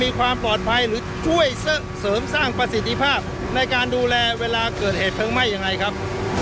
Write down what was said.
มีความปลอดภัยหรือช่วยเสริมสร้างประสิทธิภาพในการดูแลเวลาเกิดเหตุเพลิงไหม้ยังไงครับ